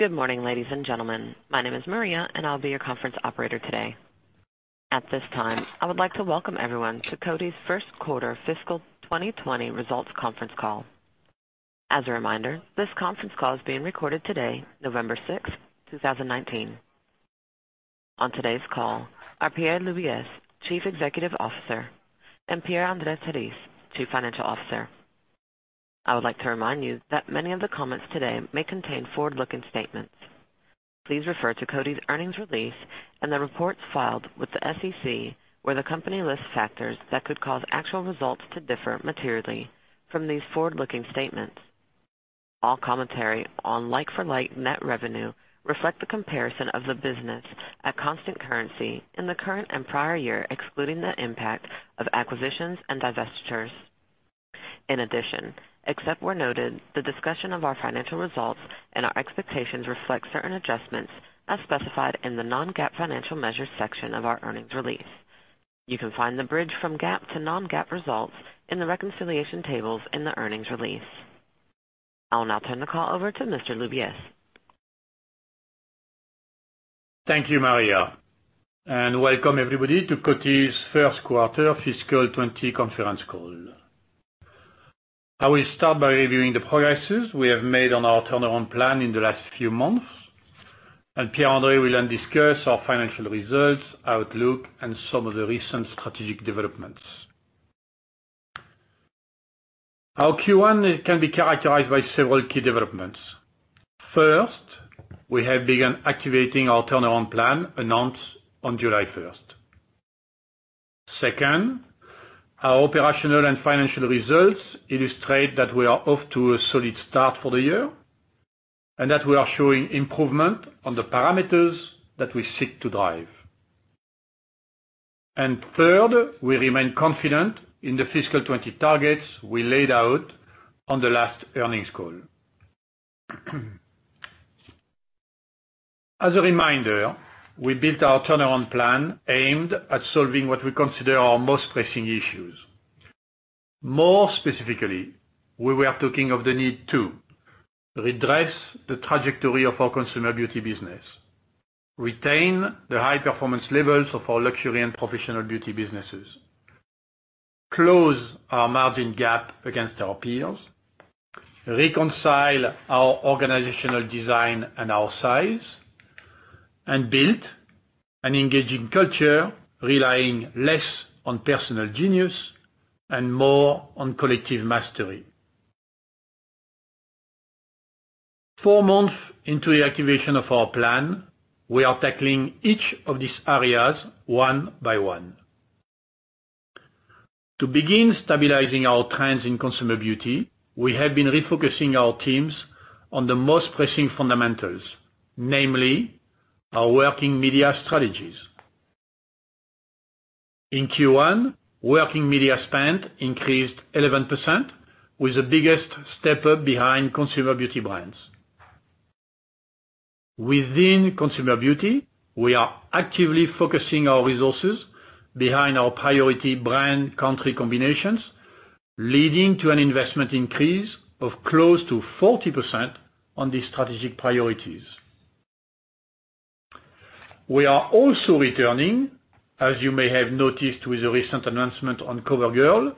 Good morning, ladies and gentlemen. My name is Maria, and I'll be your conference operator today. At this time, I would like to welcome everyone to Coty's first quarter fiscal 2020 results conference call. As a reminder, this conference call is being recorded today, November 6th, 2019. On today's call are Pierre Laubies, Chief Executive Officer, and Pierre-André Terisse, Chief Financial Officer. I would like to remind you that many of the comments today may contain forward-looking statements. Please refer to Coty's earnings release and the reports filed with the SEC, where the company lists factors that could cause actual results to differ materially from these forward-looking statements. All commentary on like-for-like net revenue reflects the comparison of the business at constant currency in the current and prior year, excluding the impact of acquisitions and divestitures. In addition, except where noted, the discussion of our financial results and our expectations reflects certain adjustments as specified in the non-GAAP financial measures section of our earnings release. You can find the bridge from GAAP to non-GAAP results in the reconciliation tables in the earnings release. I'll now turn the call over to Mr. Laubies. Thank you, Maria. Welcome everybody to Coty's first quarter fiscal 2020 conference call. I will start by reviewing the progress we have made on our turnaround plan in the last few months, and Pierre-André will then discuss our financial results, outlook, and some of the recent strategic developments. Our Q1 can be characterized by several key developments. First, we have begun activating our turnaround plan announced on July 1st. Second, our operational and financial results illustrate that we are off to a solid start for the year and that we are showing improvement on the parameters that we seek to drive. Third, we remain confident in the fiscal 2020 targets we laid out on the last earnings call. As a reminder, we built our turnaround plan aimed at solving what we consider our most pressing issues. More specifically, we were talking of the need to: redress the trajectory of our consumer beauty business, retain the high-performance levels of our luxury and professional beauty businesses, close our margin gap against our peers, reconcile our organizational design and our size, and build an engaging culture relying less on personal genius and more on collective mastery. Four months into the activation of our plan, we are tackling each of these areas one by one. To begin stabilizing our trends in consumer beauty, we have been refocusing our teams on the most pressing fundamentals, namely our working media strategies. In Q1, working media spend increased 11%, with the biggest step up behind consumer beauty brands. Within consumer beauty, we are actively focusing our resources behind our priority brand-country combinations, leading to an investment increase of close to 40% on these strategic priorities. We are also returning, as you may have noticed with the recent announcement on CoverGirl,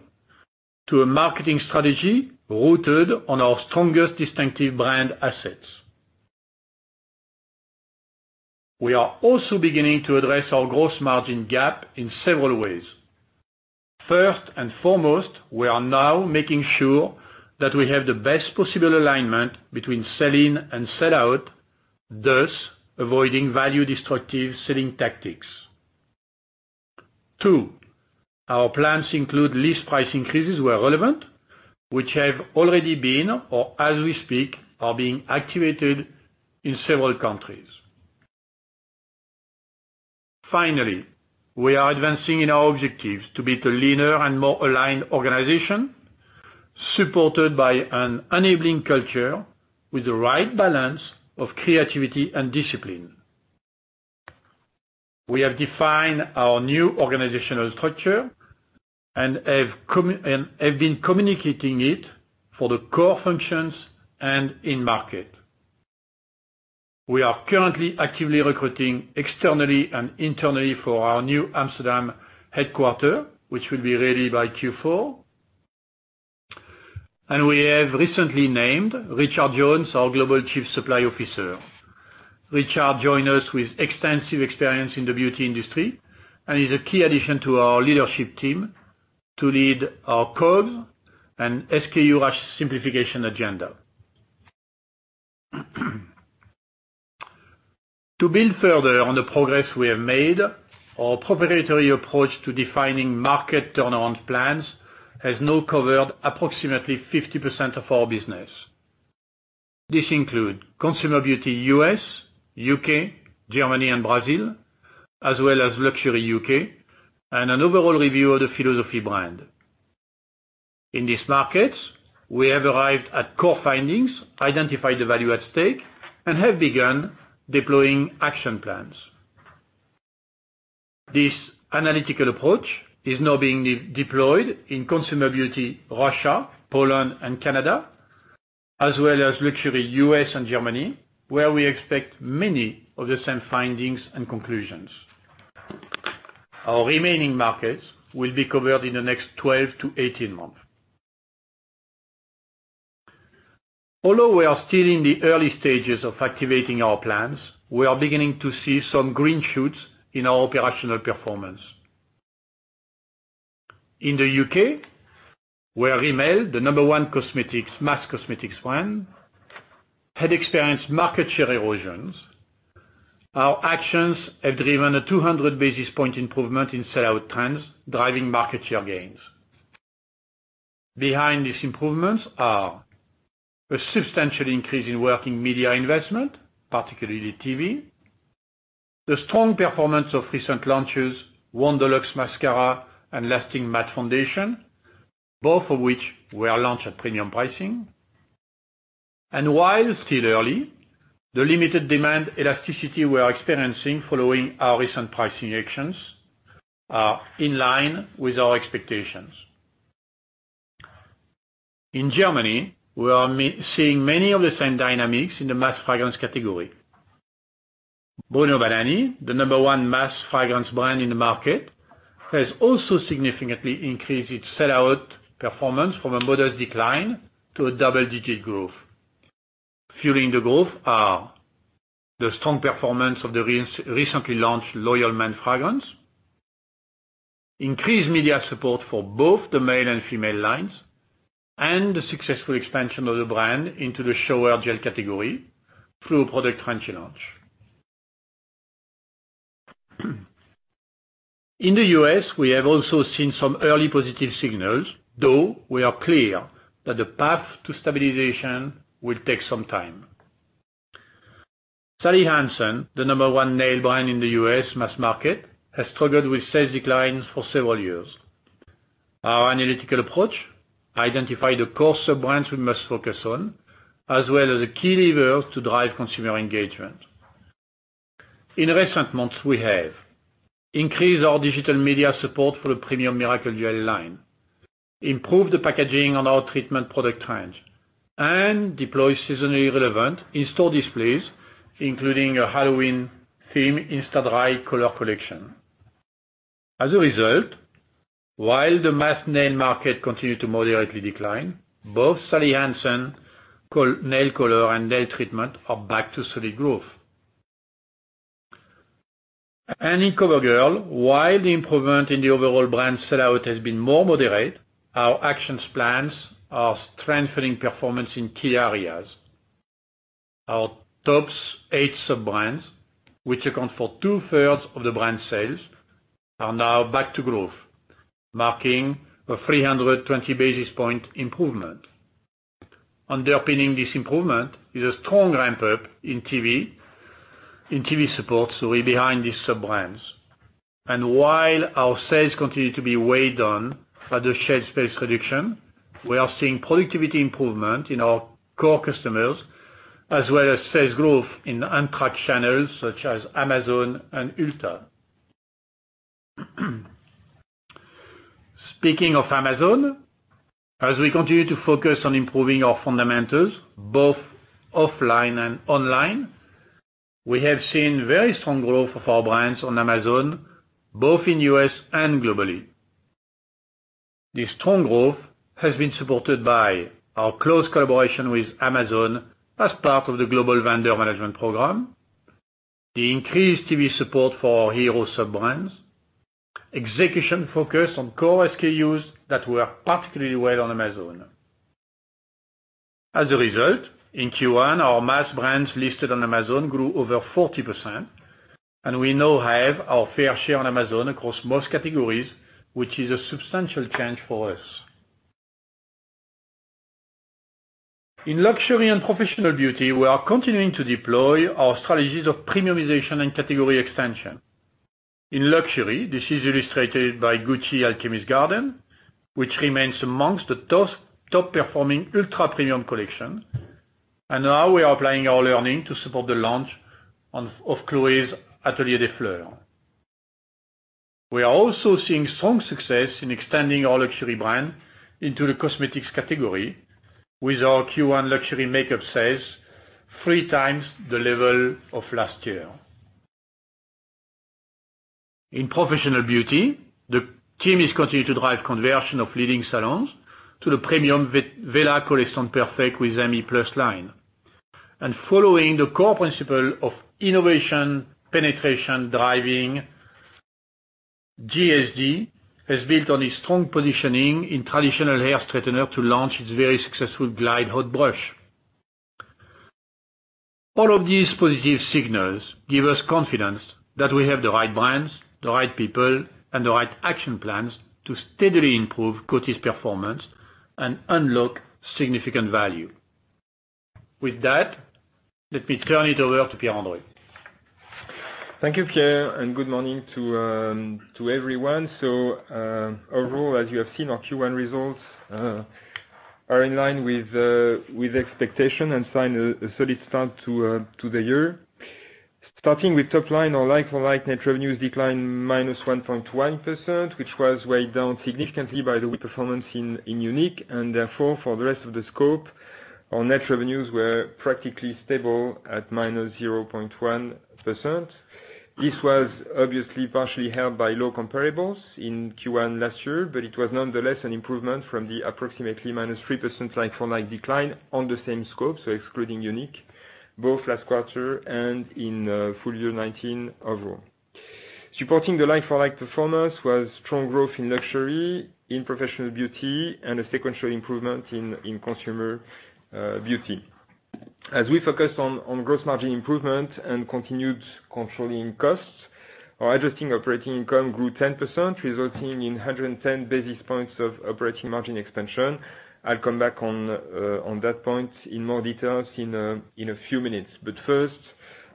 to a marketing strategy rooted on our strongest distinctive brand assets. We are also beginning to address our gross margin gap in several ways. First and foremost, we are now making sure that we have the best possible alignment between sell-in and sell-out, thus avoiding value-destructive selling tactics. Two, our plans include list price increases where relevant, which have already been or, as we speak, are being activated in several countries. Finally, we are advancing in our objectives to be a leaner and more aligned organization supported by an enabling culture with the right balance of creativity and discipline. We have defined our new organizational structure and have been communicating it for the core functions and in-market. We are currently actively recruiting externally and internally for our new Amsterdam headquarter, which will be ready by Q4. We have recently named Richard Jones, our Global Chief Supply Officer. Richard joined us with extensive experience in the beauty industry and is a key addition to our leadership team to lead our COGS and SKU simplification agenda. To build further on the progress we have made, our proprietary approach to defining market turnaround plans has now covered approximately 50% of our business. This includes consumer beauty U.S., U.K., Germany, and Brazil, as well as luxury U.K., and an overall review of the philosophy brand. In these markets, we have arrived at core findings, identified the value at stake, and have begun deploying action plans. This analytical approach is now being deployed in consumer beauty Russia, Poland, and Canada, as well as luxury U.S. and Germany, where we expect many of the same findings and conclusions. Our remaining markets will be covered in the next 12 to 18 months. Although we are still in the early stages of activating our plans, we are beginning to see some green shoots in our operational performance. In the U.K., where Rimmel, the number one mass cosmetics brand, had experienced market share erosions, our actions have driven a 200 basis point improvement in sell-out trends, driving market share gains. Behind these improvements are a substantial increase in working media investment, particularly TV, the strong performance of recent launches Wonderluxe mascara and Lasting Matte Foundation, both of which were launched at premium pricing, and while still early, the limited demand elasticity we are experiencing following our recent pricing actions is in line with our expectations. In Germany, we are seeing many of the same dynamics in the mass fragrance category. Bruno Banani, the number one mass fragrance brand in the market, has also significantly increased its sell-out performance from a modest decline to a double-digit growth. Fueling the growth are the strong performance of the recently launched Loyal Men Fragrance, increased media support for both the male and female lines, and the successful expansion of the brand into the shower gel category through a product franchise launch. In the U.S., we have also seen some early positive signals, though we are clear that the path to stabilization will take some time. Sally Hansen, the number one nail brand in the U.S. mass market, has struggled with sales declines for several years. Our analytical approach identified the core sub-brands we must focus on, as well as the key levers to drive consumer engagement. In recent months, we have increased our digital media support for the premium Miracle Gel line, improved the packaging on our treatment product range, and deployed seasonally relevant in-store displays, including a Halloween-themed InstaDry color collection. As a result, while the mass nail market continued to moderately decline, both Sally Hansen nail color and nail treatment are back to solid growth. In CoverGirl, while the improvement in the overall brand sell-out has been more moderate, our action plans are strengthening performance in key areas. Our top eight sub-brands, which account for two-thirds of the brand sales, are now back to growth, marking a 320 basis point improvement. Underpinning this improvement is a strong ramp-up in TV support, so we are behind these sub-brands. While our sales continue to be weighed down by the shared space reduction, we are seeing productivity improvement in our core customers, as well as sales growth in omnichannel such as Amazon and Ulta. Speaking of Amazon, as we continue to focus on improving our fundamentals, both offline and online, we have seen very strong growth of our brands on Amazon, both in the U.S. and globally. This strong growth has been supported by our close collaboration with Amazon as part of the Global Vendor Management Program, the increased TV support for our hero sub-brands, and execution focus on core SKUs that work particularly well on Amazon. As a result, in Q1, our mass brands listed on Amazon grew over 40%, and we now have our fair share on Amazon across most categories, which is a substantial change for us. In luxury and professional beauty, we are continuing to deploy our strategies of premiumization and category extension. In luxury, this is illustrated by Gucci Alchemist Garden, which remains amongst the top-performing ultra-premium collection, and now we are applying our learning to support the launch of Chloé's Atelier des Fleurs. We are also seeing strong success in extending our luxury brand into the cosmetics category, with our Q1 luxury makeup sales three times the level of last year. In professional beauty, the team is continuing to drive conversion of leading salons to the premium Vela Collection Perfect with EMI Plus line. Following the core principle of innovation, penetration, driving, GHD has built on its strong positioning in traditional hair straightener to launch its very successful Glide Hot Brush. All of these positive signals give us confidence that we have the right brands, the right people, and the right action plans to steadily improve Coty's performance and unlock significant value. With that, let me turn it over to Pierre-André. Thank you, Pierre, and good morning to everyone. Overall, as you have seen, our Q1 results are in line with expectations and sign a solid start to the year. Starting with top line, our like-for-like net revenues declined -1.1%, which was weighed down significantly by the weak performance in Munich. Therefore, for the rest of the scope, our net revenues were practically stable at -0.1%. This was obviously partially held by low comparables in Q1 last year, but it was nonetheless an improvement from the approximately -3% like-for-like decline on the same scope, so excluding Munich, both last quarter and in full year 2019 overall. Supporting the like-for-like performance was strong growth in luxury, in professional beauty, and a sequential improvement in consumer beauty. As we focused on gross margin improvement and continued controlling costs, our adjusted operating income grew 10%, resulting in 110 basis points of operating margin expansion. I'll come back on that point in more detail in a few minutes. First,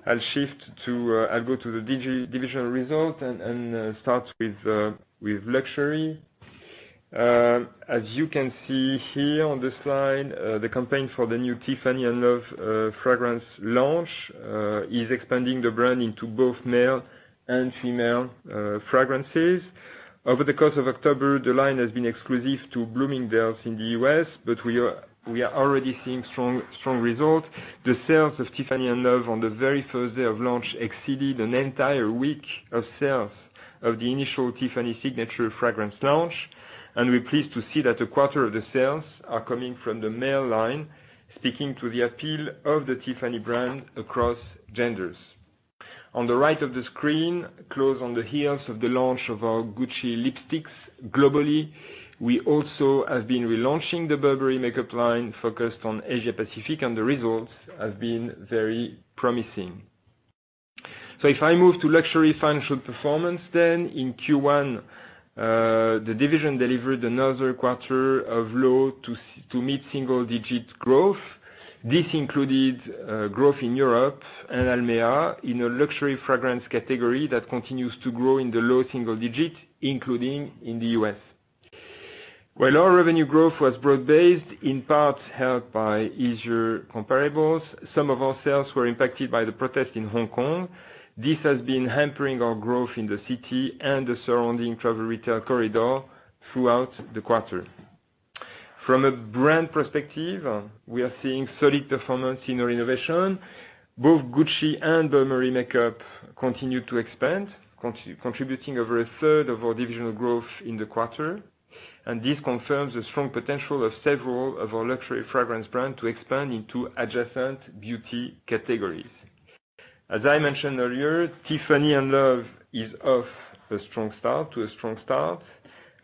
I'll go to the divisional result and start with luxury. As you can see here on the slide, the campaign for the new Tiffany and Love fragrance launch is expanding the brand into both male and female fragrances. Over the course of October, the line has been exclusive to Bloomingdale's in the U.S., but we are already seeing strong results. The sales of Tiffany and Love on the very first day of launch exceeded an entire week of sales of the initial Tiffany signature fragrance launch. We are pleased to see that a quarter of the sales are coming from the male line, speaking to the appeal of the Tiffany brand across genders. On the right of the screen, close on the heels of the launch of our Gucci lipsticks globally, we also have been relaunching the Burberry makeup line focused on Asia-Pacific, and the results have been very promising. If I move to luxury financial performance then, in Q1, the division delivered another quarter of low to mid-single-digit growth. This included growth in Europe and Almeida in a luxury fragrance category that continues to grow in the low single digit, including in the U.S. While our revenue growth was broad-based, in part helped by easier comparables, some of our sales were impacted by the protests in Hong Kong. This has been hampering our growth in the city and the surrounding travel retail corridor throughout the quarter. From a brand perspective, we are seeing solid performance in our innovation. Both Gucci and Burberry makeup continued to expand, contributing over a third of our divisional growth in the quarter. This confirms the strong potential of several of our luxury fragrance brands to expand into adjacent beauty categories. As I mentioned earlier, Tiffany and Love is off to a strong start.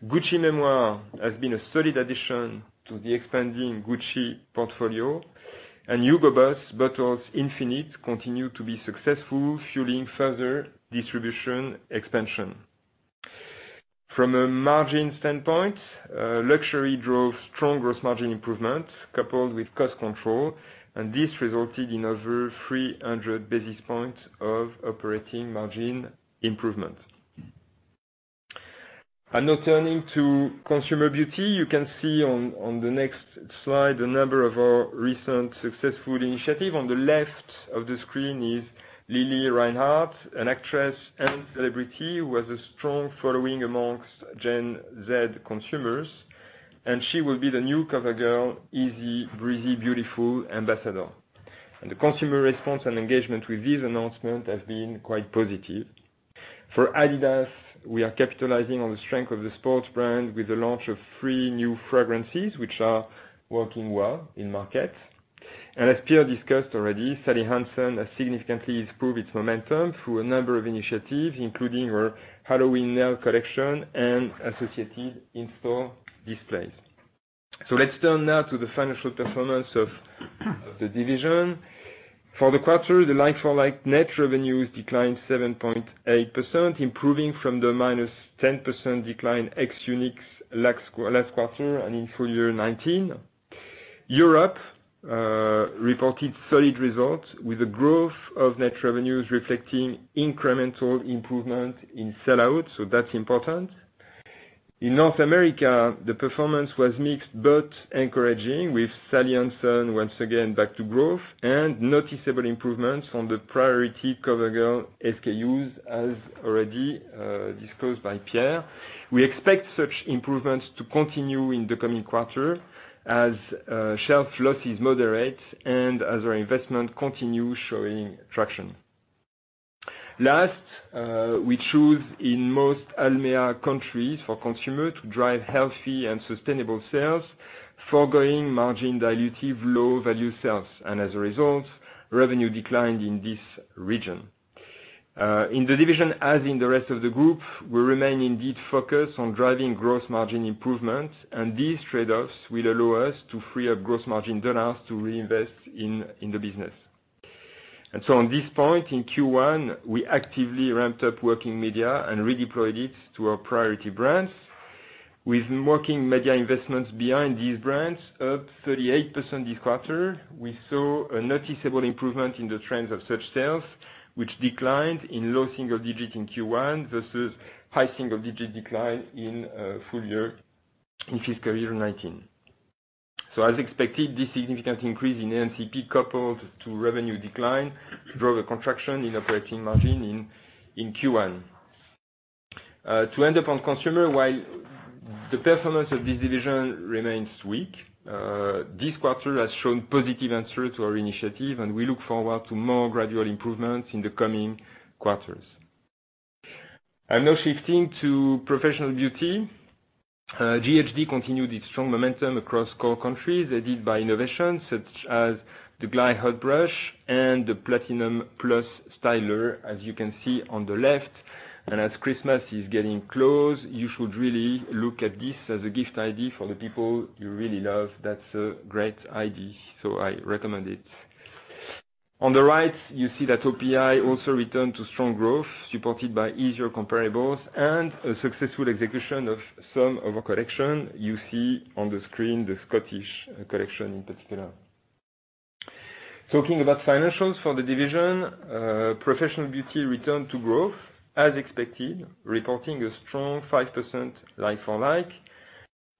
Gucci Mémoire has been a solid addition to the expanding Gucci portfolio, and Hugo Boss Bottled Infinite continues to be successful, fueling further distribution expansion. From a margin standpoint, luxury drove strong gross margin improvement coupled with cost control, and this resulted in over 300 basis points of operating margin improvement. Now turning to consumer beauty, you can see on the next slide a number of our recent successful initiatives. On the left of the screen is Lili Reinhart, an actress and celebrity who has a strong following amongst Gen Z consumers, and she will be the new CoverGirl Easy Breezy Beautiful Ambassador. The consumer response and engagement with these announcements have been quite positive. For Adidas, we are capitalizing on the strength of the sports brand with the launch of three new fragrances, which are working well in market. As Pierre discussed already, Sally Hansen has significantly improved its momentum through a number of initiatives, including her Halloween nail collection and associated in-store displays. Let's turn now to the financial performance of the division. For the quarter, the like-for-like net revenues declined 7.8%, improving from the -10% decline ex-Unix last quarter and in full year 2019. Europe reported solid results with a growth of net revenues reflecting incremental improvement in sell-out, so that's important. In North America, the performance was mixed but encouraging, with Sally Hansen once again back to growth and noticeable improvements on the priority CoverGirl SKUs, as already disclosed by Pierre. We expect such improvements to continue in the coming quarter as shelf loss is moderate and as our investment continues showing traction. Last, we chose in most Almeida countries for consumer to drive healthy and sustainable sales, forgoing margin dilutive low-value sales. As a result, revenue declined in this region. In the division, as in the rest of the group, we remain indeed focused on driving gross margin improvement, and these trade-offs will allow us to free up gross margin dollars to reinvest in the business. On this point, in Q1, we actively ramped up working media and redeployed it to our priority brands. With working media investments behind these brands up 38% this quarter, we saw a noticeable improvement in the trends of such sales, which declined in low single digit in Q1 versus high single digit decline in full year in fiscal year 2019. As expected, this significant increase in ANCP coupled to revenue decline drove a contraction in operating margin in Q1. To end up on consumer, while the performance of this division remains weak, this quarter has shown positive answers to our initiative, and we look forward to more gradual improvements in the coming quarters. I'm now shifting to professional beauty. GHD continued its strong momentum across core countries aided by innovations such as the Glide Hot Brush and the Platinum Plus Styler, as you can see on the left. As Christmas is getting close, you should really look at this as a gift idea for the people you really love. That's a great idea, so I recommend it. On the right, you see that OPI also returned to strong growth, supported by easier comparables and a successful execution of some of our collection. You see on the screen the Scottish collection in particular. Talking about financials for the division, professional beauty returned to growth as expected, reporting a strong 5% like-for-like.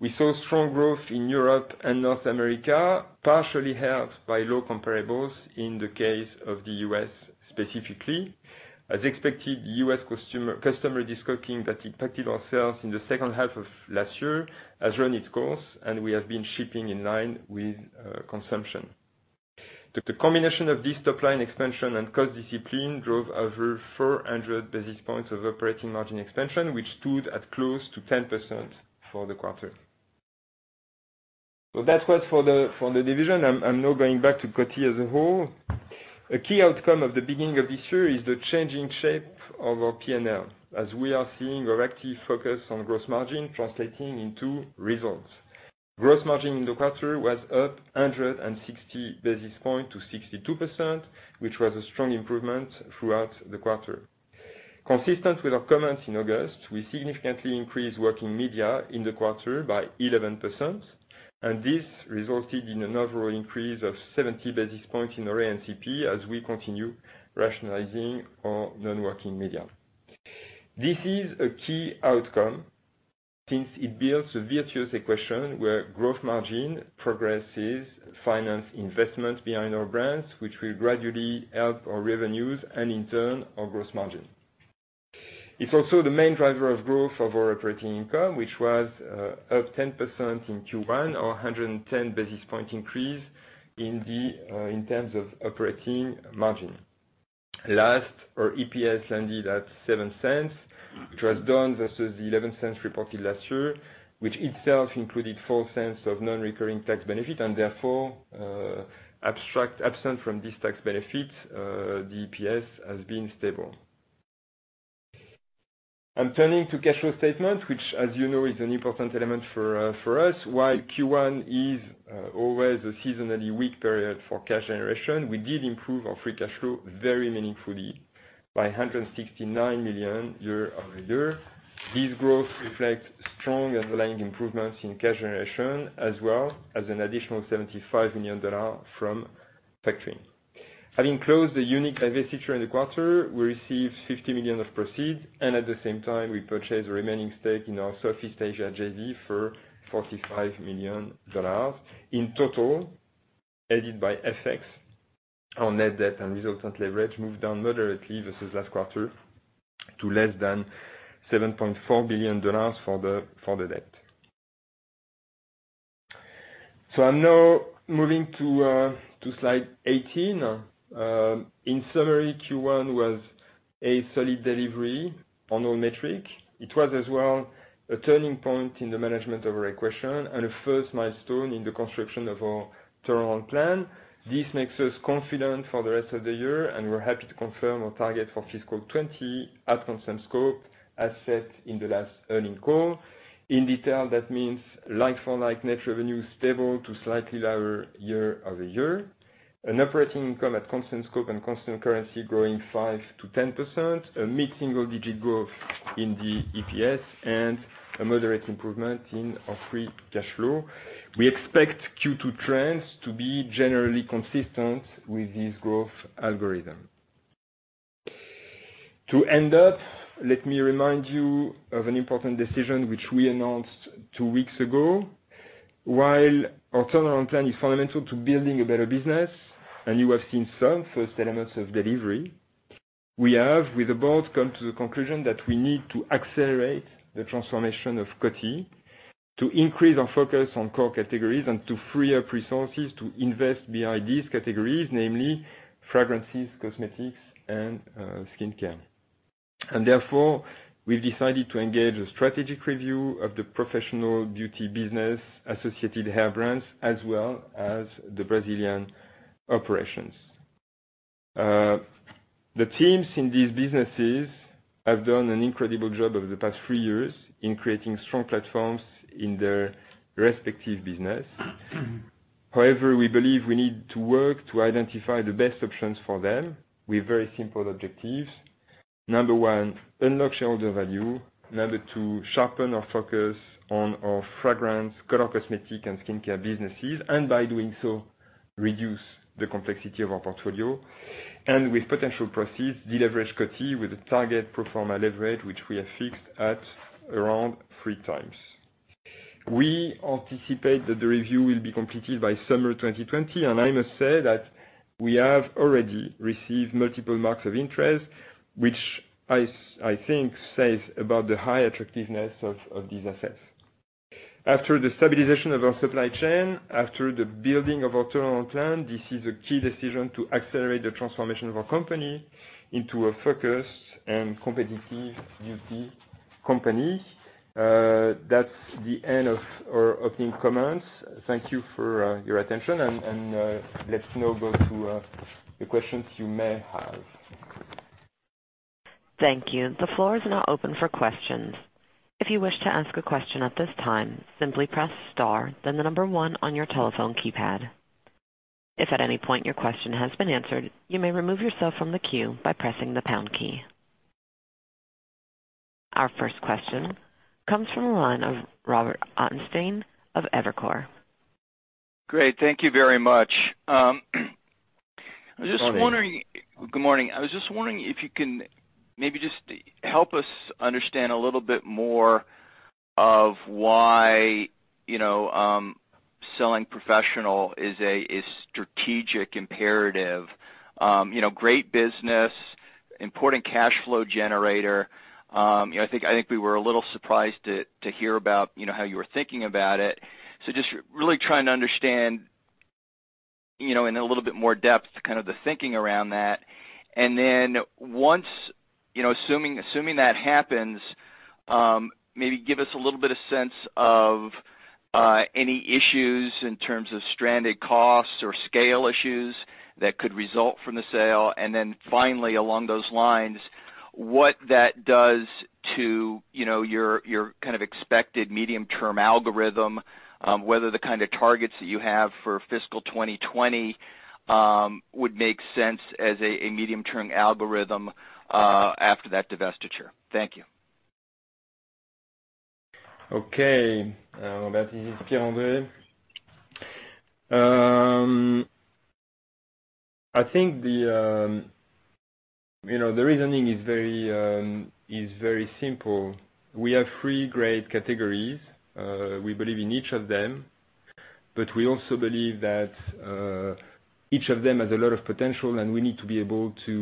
We saw strong growth in Europe and North America, partially helped by low comparables in the case of the US specifically. As expected, U.S. customer discovering that it impacted our sales in the second half of last year has run its course, and we have been shipping in line with consumption. The combination of this top-line expansion and cost discipline drove over 400 basis points of operating margin expansion, which stood at close to 10% for the quarter. That is what for the division. I am now going back to Coty as a whole. A key outcome of the beginning of this year is the changing shape of our P&L, as we are seeing our active focus on gross margin translating into results. Gross margin in the quarter was up 160 basis points to 62%, which was a strong improvement throughout the quarter. Consistent with our comments in August, we significantly increased working media in the quarter by 11%, and this resulted in an overall increase of 70 basis points in our ANCP as we continue rationalizing our non-working media. This is a key outcome since it builds a virtuous equation where gross margin progresses finance investment behind our brands, which will gradually help our revenues and in turn our gross margin. It's also the main driver of growth of our operating income, which was up 10% in Q1, or 110 basis point increase in terms of operating margin. Last, our EPS landed at $0.07, which was down versus the $0.11 reported last year, which itself included $0.04 of non-recurring tax benefit, and therefore absent from this tax benefit, the EPS has been stable. I'm turning to cash flow statements, which, as you know, is an important element for us. While Q1 is always a seasonally weak period for cash generation, we did improve our free cash flow very meaningfully by $169 million year-over-year. This growth reflects strong underlying improvements in cash generation as well as an additional $75 million from factoring. Having closed the unique divestiture in the quarter, we received $50 million of proceeds, and at the same time, we purchased the remaining stake in our Southeast Asia JV for $45 million. In total, added by FX, our net debt and resultant leverage moved down moderately versus last quarter to less than $7.4 billion for the debt. I am now moving to slide 18. In summary, Q1 was a solid delivery on all metrics. It was as well a turning point in the management of our equation and a first milestone in the construction of our turnaround plan. This makes us confident for the rest of the year, and we are happy to confirm our target for fiscal 2020 at constant scope as set in the last earning call. In detail, that means line-for-line net revenue stable to slightly lower year over year, an operating income at constant scope and constant currency growing 5%-10%, a mid-single digit growth in the EPS, and a moderate improvement in our free cash flow. We expect Q2 trends to be generally consistent with this growth algorithm. To end up, let me remind you of an important decision which we announced two weeks ago. While our turnaround plan is fundamental to building a better business, and you have seen some first elements of delivery, we have with the board come to the conclusion that we need to accelerate the transformation of Coty to increase our focus on core categories and to free up resources to invest behind these categories, namely fragrances, cosmetics, and skincare. Therefore, we have decided to engage a strategic review of the professional beauty business, associated hair brands, as well as the Brazilian operations. The teams in these businesses have done an incredible job over the past three years in creating strong platforms in their respective business. However, we believe we need to work to identify the best options for them with very simple objectives. Number one, unlock shareholder value. Number two, sharpen our focus on our fragrance, color cosmetics, and skincare businesses, and by doing so, reduce the complexity of our portfolio. With potential proceeds, deleverage Coty with a target proforma leverage, which we have fixed at around three times. We anticipate that the review will be completed by summer 2020, and I must say that we have already received multiple marks of interest, which I think says about the high attractiveness of these assets. After the stabilization of our supply chain, after the building of our turnaround plan, this is a key decision to accelerate the transformation of our company into a focused and competitive beauty company. That's the end of our opening comments. Thank you for your attention, and let's now go to the questions you may have. Thank you. The floor is now open for questions. If you wish to ask a question at this time, simply press star, then the number one on your telephone keypad. If at any point your question has been answered, you may remove yourself from the queue by pressing the pound key. Our first question comes from Robert Ottenstein of Evercore. Great. Thank you very much. I was just wondering. Good morning. I was just wondering if you can maybe just help us understand a little bit more of why selling professional is a strategic imperative. Great business, important cash flow generator. I think we were a little surprised to hear about how you were thinking about it. Just really trying to understand in a little bit more depth kind of the thinking around that. Once assuming that happens, maybe give us a little bit of sense of any issues in terms of stranded costs or scale issues that could result from the sale. Finally, along those lines, what that does to your kind of expected medium-term algorithm, whether the kind of targets that you have for fiscal 2020 would make sense as a medium-term algorithm after that divestiture? Thank you. Okay. this is Pierre-André. I think the reasoning is very simple. We have three great categories. We believe in each of them, but we also believe that each of them has a lot of potential, and we need to be able to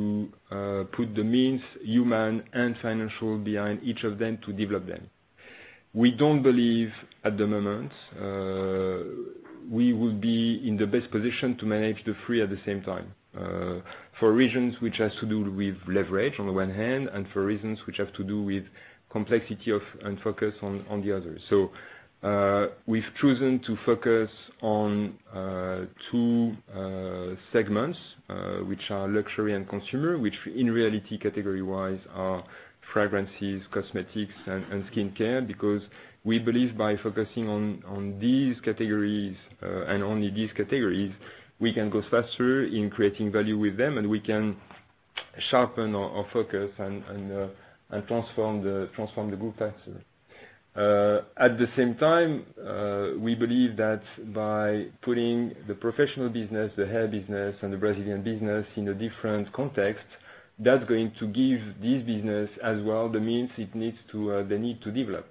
put the means, human, and financial behind each of them to develop them. We do not believe at the moment we will be in the best position to manage the three at the same time for reasons which have to do with leverage on the one hand and for reasons which have to do with complexity and focus on the other. We have chosen to focus on two segments, which are luxury and consumer, which in reality, category-wise, are fragrances, cosmetics, and skincare, because we believe by focusing on these categories and only these categories, we can go faster in creating value with them, and we can sharpen our focus and transform the group faster. At the same time, we believe that by putting the professional business, the hair business, and the Brazilian business in a different context, that is going to give these businesses as well the means they need to develop.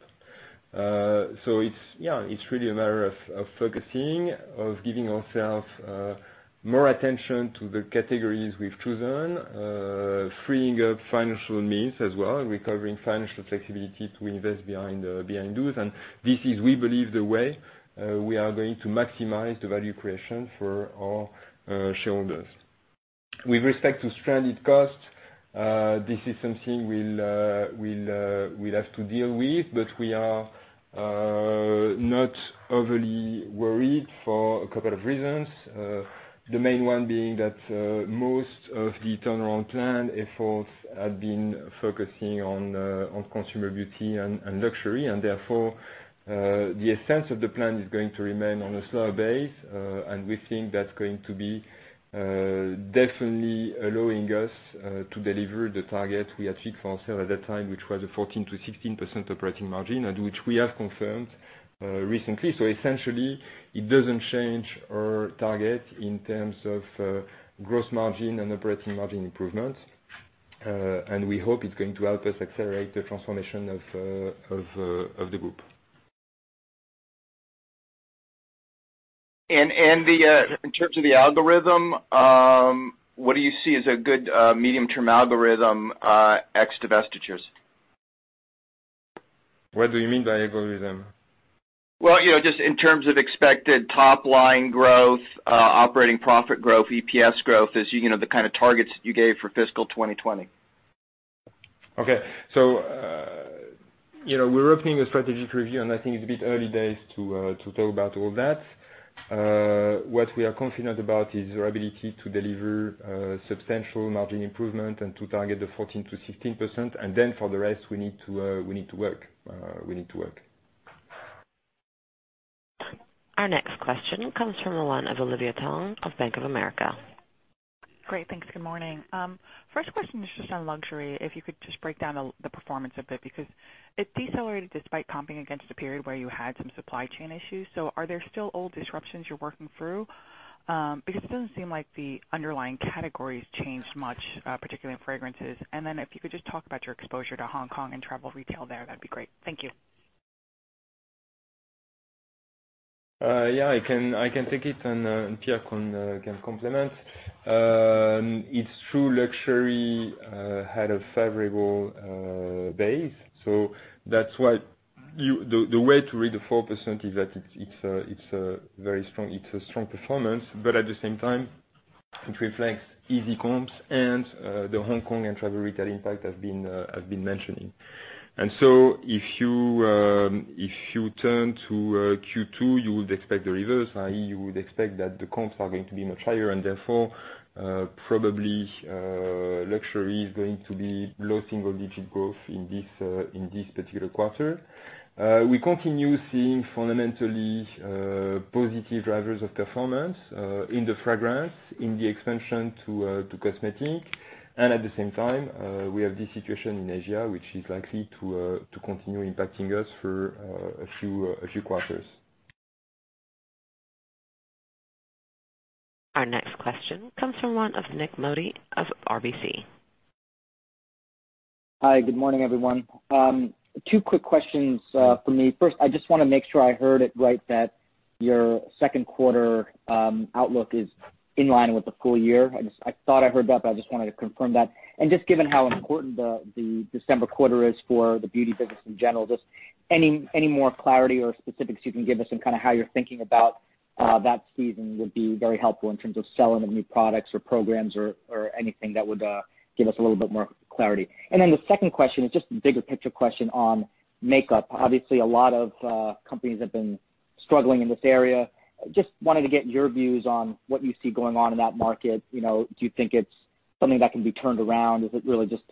Yeah, it is really a matter of focusing, of giving ourselves more attention to the categories we have chosen, freeing up financial means as well, recovering financial flexibility to invest behind those. This is, we believe, the way we are going to maximize the value creation for our shareholders. With respect to stranded costs, this is something we'll have to deal with, but we are not overly worried for a couple of reasons. The main one being that most of the turnaround plan efforts have been focusing on consumer beauty and luxury, and therefore, the essence of the plan is going to remain on a slower base, and we think that's going to be definitely allowing us to deliver the target we had fixed for ourselves at that time, which was a 14%-16% operating margin, and which we have confirmed recently. Essentially, it doesn't change our target in terms of gross margin and operating margin improvements, and we hope it's going to help us accelerate the transformation of the group. In terms of the algorithm, what do you see as a good medium-term algorithm x divestitures? What do you mean by algorithm? Just in terms of expected top-line growth, operating profit growth, EPS growth, the kind of targets that you gave for fiscal 2020. Okay. We are opening a strategic review, and I think it's a bit early days to talk about all that. What we are confident about is our ability to deliver substantial margin improvement and to target the 14%-16%, and then for the rest, we need to work. We need to work. Our next question comes from Olivia Tong of Bank of America. Great. Thanks. Good morning. First question is just on luxury. If you could just break down the performance of it because it decelerated despite comping against a period where you had some supply chain issues. Are there still old disruptions you're working through? It doesn't seem like the underlying categories changed much, particularly in fragrances. If you could just talk about your exposure to Hong Kong and travel retail there, that'd be great. Thank you. Yeah, I can take it, and Pierre can complement. It's true luxury had a favorable base. That's why the way to read the 4% is that it's a very strong performance, but at the same time, it reflects easy comps, and the Hong Kong and travel retail impact I've been mentioning. If you turn to Q2, you would expect the reverse, i.e., you would expect that the comps are going to be much higher, and therefore, probably luxury is going to be low single-digit growth in this particular quarter. We continue seeing fundamentally positive drivers of performance in the fragrance, in the expansion to cosmetic, and at the same time, we have this situation in Asia which is likely to continue impacting us for a few quarters. Our next question comes from Nik Vlahos of RBC. Hi. Good morning, everyone. Two quick questions for me. First, I just want to make sure I heard it right that your second quarter outlook is in line with the full year. I thought I heard that, but I just wanted to confirm that. Just given how important the December quarter is for the beauty business in general, any more clarity or specifics you can give us on kind of how you're thinking about that season would be very helpful in terms of selling new products or programs or anything that would give us a little bit more clarity. The second question is just a bigger picture question on makeup. Obviously, a lot of companies have been struggling in this area. Just wanted to get your views on what you see going on in that market. Do you think it's something that can be turned around? Is it really just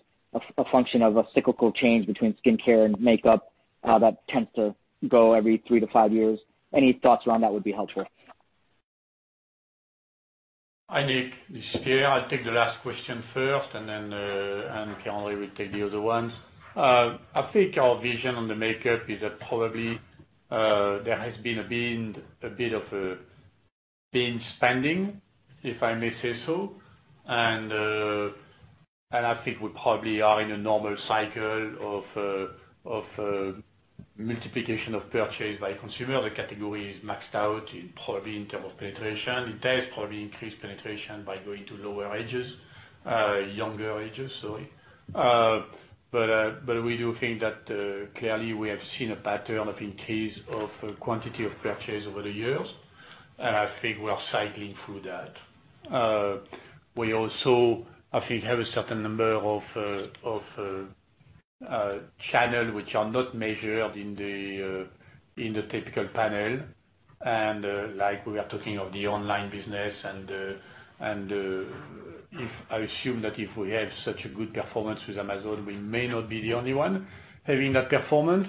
a function of a cyclical change between skincare and makeup that tends to go every three to five years? Any thoughts around that would be helpful. Hi, Nick. This is Pierre. I'll take the last question first, and then Pierre-André will take the other ones. I think our vision on the makeup is that probably there has been a bit of a spending, if I may say so, and I think we probably are in a normal cycle of multiplication of purchase by consumer. The category is maxed out, probably in terms of penetration. It does probably increase penetration by going to lower ages, younger ages, sorry. We do think that clearly we have seen a pattern of increase of quantity of purchase over the years, and I think we are cycling through that. We also, I think, have a certain number of channels which are not measured in the typical panel, like we were talking of the online business, and I assume that if we have such a good performance with Amazon, we may not be the only one having that performance.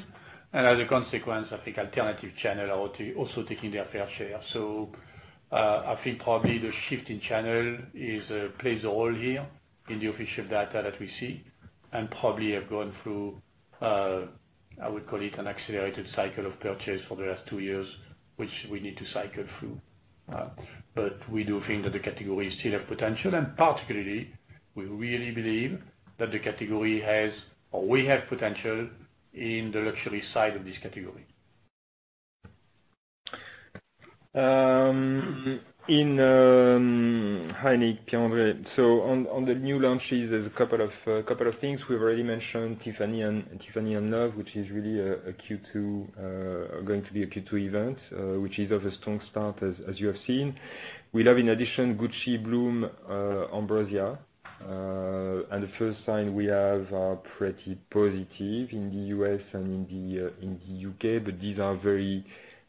As a consequence, I think alternative channels are also taking their fair share. I think probably the shift in channel plays a role here in the official data that we see and probably have gone through, I would call it, an accelerated cycle of purchase for the last two years, which we need to cycle through. We do think that the category still has potential, and particularly, we really believe that the category has, or we have potential in the luxury side of this category. Hi, Nick, Pierre-André. On the new launches, there's a couple of things. We've already mentioned Tiffany and Love, which is really a Q2, going to be a Q2 event, which is off a strong start, as you have seen. We have, in addition, Gucci Bloom Ambrosia, and the first sign we have are pretty positive in the U.S. and in the U.K., but these are very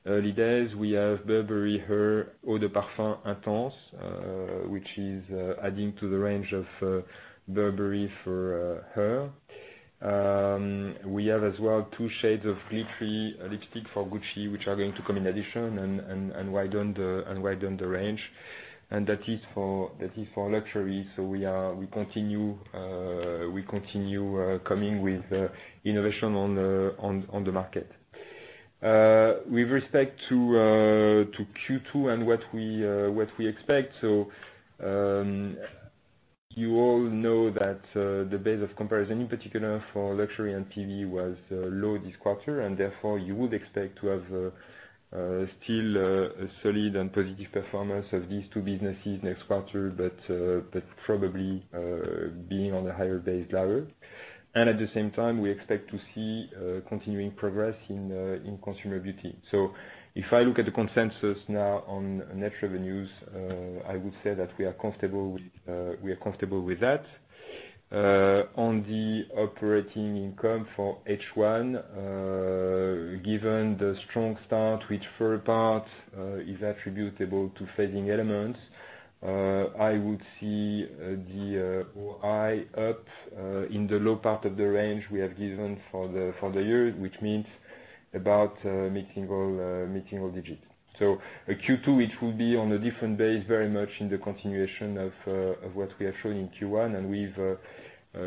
early days. We have Burberry Her Eau de Parfum Intense, which is adding to the range of Burberry for Her. We have as well two shades of glittery lipstick for Gucci, which are going to come in addition and widen the range. That is for luxury. We continue coming with innovation on the market. With respect to Q2 and what we expect, you all know that the base of comparison, in particular for luxury and TV, was low this quarter, and therefore, you would expect to have still a solid and positive performance of these two businesses next quarter, but probably being on a higher base level. At the same time, we expect to see continuing progress in consumer beauty. If I look at the consensus now on net revenues, I would say that we are comfortable with that. On the operating income for H1, given the strong start, which for a part is attributable to fading elements, I would see the high up in the low part of the range we have given for the year, which means about mixing all digits. Q2, it will be on a different base, very much in the continuation of what we have shown in Q1, and we're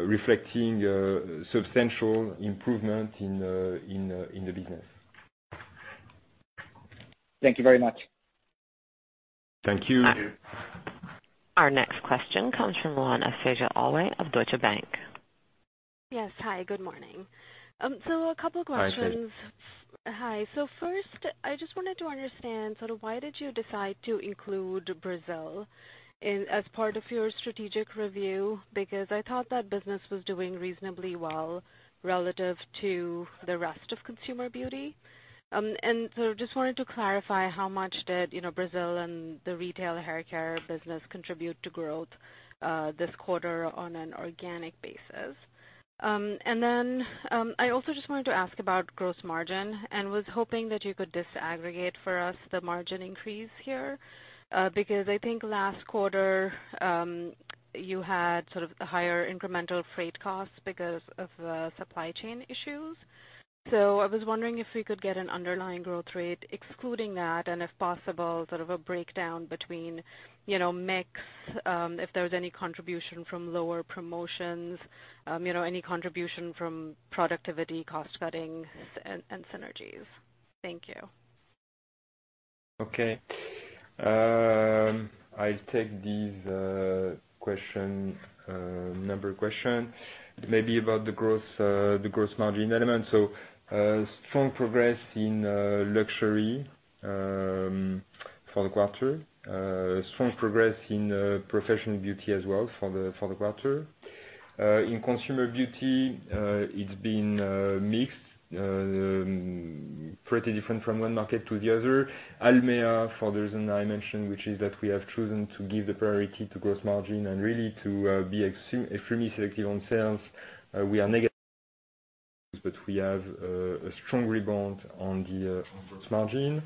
reflecting substantial improvement in the business. Thank you very much. Thank you. Thank you. Our next question comes from Faiza Alwy of Deutsche Bank. Yes. Hi. Good morning. A couple of questions. Hi. First, I just wanted to understand, sort of why did you decide to include Brazil as part of your strategic review? Because I thought that business was doing reasonably well relative to the rest of consumer beauty. I just wanted to clarify how much did Brazil and the retail haircare business contribute to growth this quarter on an organic basis. I also just wanted to ask about gross margin and was hoping that you could disaggregate for us the margin increase here because I think last quarter, you had sort of higher incremental freight costs because of supply chain issues. I was wondering if we could get an underlying growth rate excluding that, and if possible, sort of a breakdown between mix, if there was any contribution from lower promotions, any contribution from productivity, cost cutting, and synergies. Thank you. Okay. I'll take this question, number question. It may be about the gross margin element. Strong progress in luxury for the quarter, strong progress in professional beauty as well for the quarter. In consumer beauty, it's been mixed, pretty different from one market to the other. Almeya, for the reason I mentioned, which is that we have chosen to give the priority to gross margin and really to be extremely selective on sales, we are negative, but we have a strong rebound on the gross margin.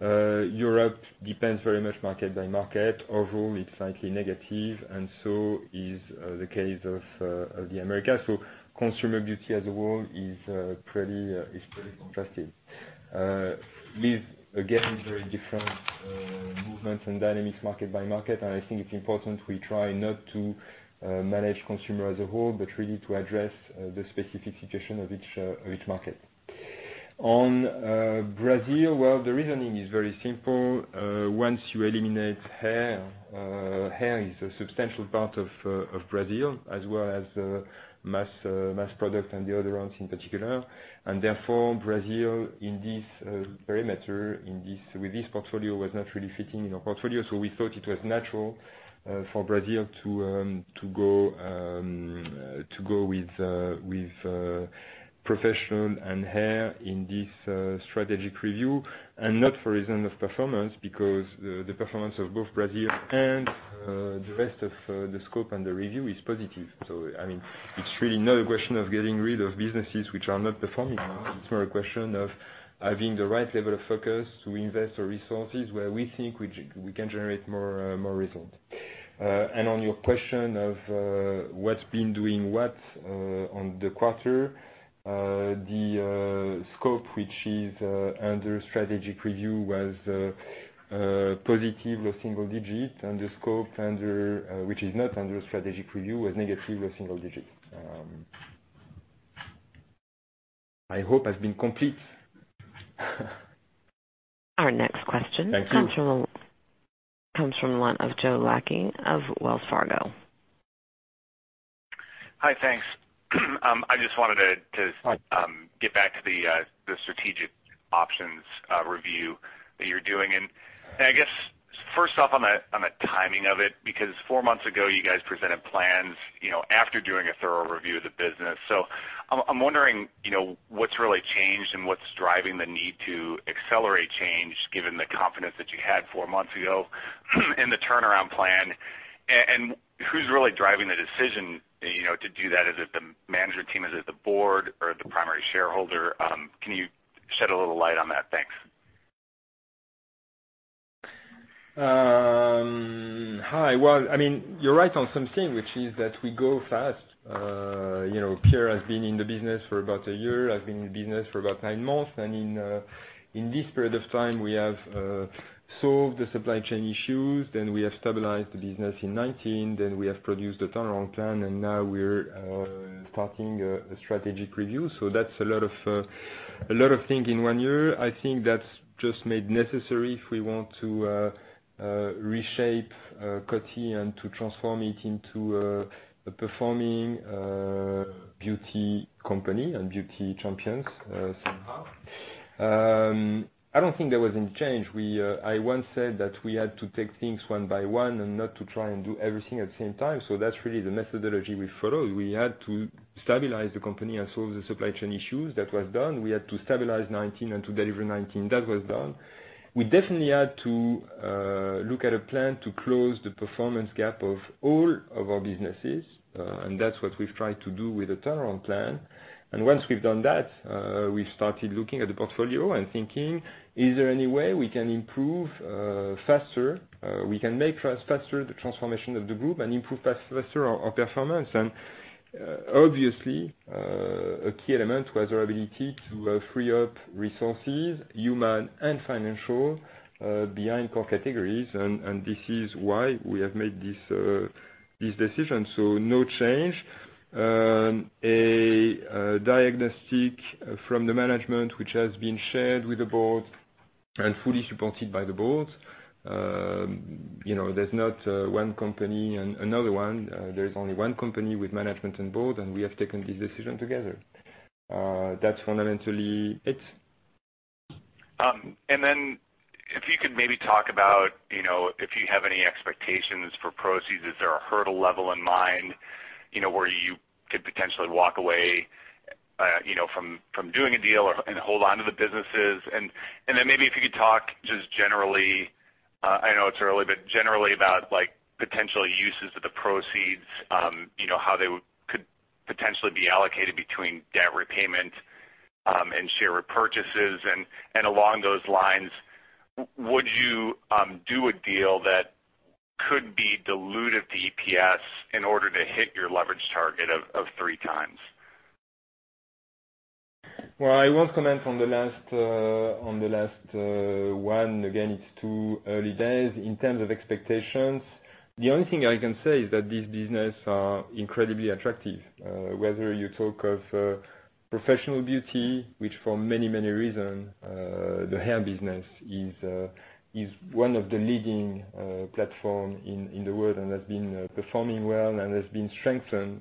Europe depends very much market by market. Overall, it's slightly negative, and so is the case of the Americas. Consumer beauty as a whole is pretty contrasted. With, again, very different movements and dynamics market by market, and I think it's important we try not to manage consumer as a whole, but really to address the specific situation of each market. On Brazil, the reasoning is very simple. Once you eliminate hair, hair is a substantial part of Brazil, as well as mass product and the other ones in particular. Therefore, Brazil in this perimeter, with this portfolio, was not really fitting in our portfolio, so we thought it was natural for Brazil to go with professional and hair in this strategic review. Not for reason of performance because the performance of both Brazil and the rest of the scope and the review is positive. I mean, it is really not a question of getting rid of businesses which are not performing. It is more a question of having the right level of focus to invest our resources where we think we can generate more result. On your question of what's been doing what on the quarter, the scope, which is under strategic review, was positive, low single digit, and the scope, which is not under strategic review, was negative, low single digit. I hope I've been complete. Our next question comes from the line of Joe Lachky of Wells Fargo. Hi. Thanks. I just wanted to get back to the strategic options review that you're doing. I guess, first off, on the timing of it, because four months ago, you guys presented plans after doing a thorough review of the business. I'm wondering what's really changed and what's driving the need to accelerate change, given the confidence that you had four months ago in the turnaround plan. Who's really driving the decision to do that? Is it the management team? Is it the board or the primary shareholder? Can you shed a little light on that? Thanks. Hi. I mean, you're right on some things, which is that we go fast. Pierre has been in the business for about a year. I've been in the business for about nine months. In this period of time, we have solved the supply chain issues. We have stabilized the business in 2019. We have produced the turnaround plan, and now we're starting a strategic review. That is a lot of things in one year. I think that is just made necessary if we want to reshape Coty and to transform it into a performing beauty company and beauty champions somehow. I do not think there was any change. I once said that we had to take things one by one and not to try and do everything at the same time. That is really the methodology we followed. We had to stabilize the company and solve the supply chain issues. That was done. We had to stabilize 2019 and to deliver 2019. That was done. We definitely had to look at a plan to close the performance gap of all of our businesses, and that is what we have tried to do with the turnaround plan. Once we have done that, we have started looking at the portfolio and thinking, "Is there any way we can improve faster? We can make faster the transformation of the group and improve faster our performance." Obviously, a key element was our ability to free up resources, human and financial, behind core categories, and this is why we have made this decision. No change. A diagnostic from the management, which has been shared with the board and fully supported by the board. There is not one company and another one. There is only one company with management and board, and we have taken this decision together. That's fundamentally it. If you could maybe talk about if you have any expectations for proceeds, is there a hurdle level in mind where you could potentially walk away from doing a deal and hold on to the businesses? Maybe if you could talk just generally—I know it's early—but generally about potential uses of the proceeds, how they could potentially be allocated between debt repayment and share repurchases. Along those lines, would you do a deal that could be diluted to EPS in order to hit your leverage target of three times? I won't comment on the last one. Again, it's too early. Days. In terms of expectations, the only thing I can say is that these businesses are incredibly attractive. Whether you talk of professional beauty, which for many, many reasons, the hair business is one of the leading platforms in the world and has been performing well and has been strengthened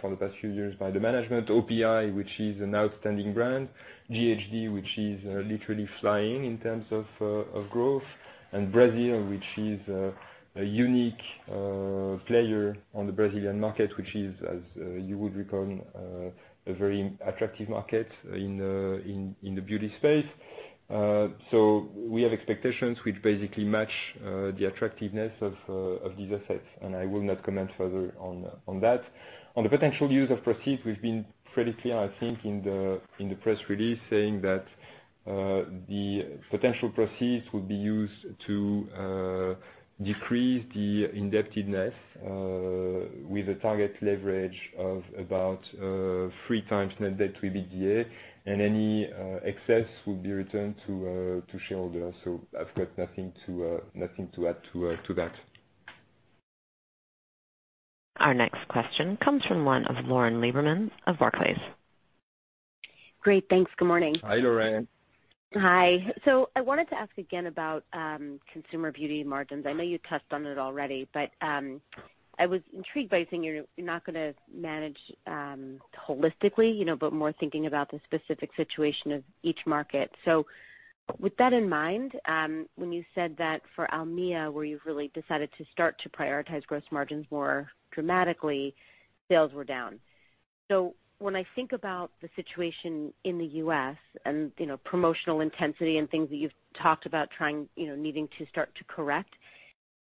for the past few years by the management, OPI, which is an outstanding brand, GHD, which is literally flying in terms of growth, and Brazil, which is a unique player on the Brazilian market, which is, as you would recall, a very attractive market in the beauty space. We have expectations which basically match the attractiveness of these assets, and I will not comment further on that. On the potential use of proceeds, we've been pretty clear, I think, in the press release, saying that the potential proceeds would be used to decrease the indebtedness with a target leverage of about three times net debt to EBITDA, and any excess would be returned to shareholders. I've got nothing to add to that. Our next question comes from Lauren Lieberman of Barclays. Great. Thanks. Good morning. Hi, Lauren. Hi. I wanted to ask again about consumer beauty margins. I know you touched on it already, but I was intrigued by you saying you're not going to manage holistically, but more thinking about the specific situation of each market. With that in mind, when you said that for Almeya, where you've really decided to start to prioritize gross margins more dramatically, sales were down. When I think about the situation in the U.S. and promotional intensity and things that you've talked about needing to start to correct,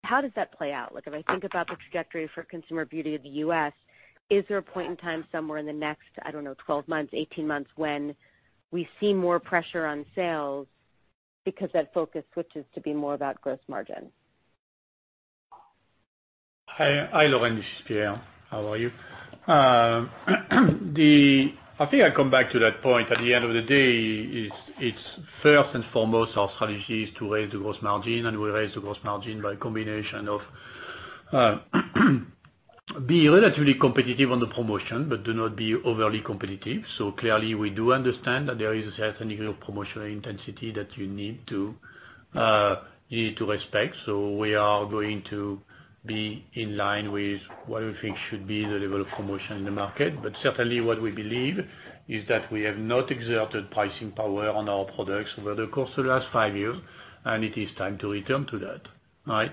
how does that play out? If I think about the trajectory for consumer beauty of the U.S., is there a point in time somewhere in the next, I don't know, 12 months, 18 months when we see more pressure on sales because that focus switches to be more about gross margin? Hi, Lauren. This is Pierre. How are you? I think I'll come back to that point. At the end of the day, first and foremost, our strategy is to raise the gross margin, and we raise the gross margin by a combination of being relatively competitive on the promotion, but do not be overly competitive. Clearly, we do understand that there is a certain degree of promotional intensity that you need to respect. We are going to be in line with what we think should be the level of promotion in the market. Certainly, what we believe is that we have not exerted pricing power on our products over the course of the last five years, and it is time to return to that. All right?